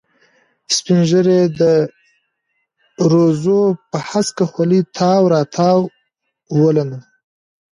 سپینه ږیره، د دروزو پر هسکه خولې تاو را تاو ولونه.